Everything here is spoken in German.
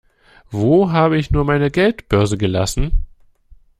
Wo habe ich nur meine Geldbörse gelassen?